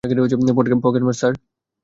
পকেটমার, sir.